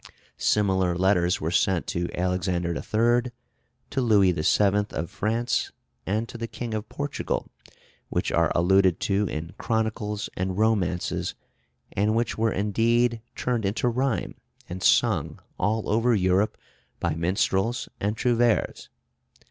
Similar letters were sent to Alexander III., to Louis VII. of France, and to the King of Portugal, which are alluded to in chronicles and romances, and which were indeed turned into rhyme, and sung all over Europe by minstrels and trouvères.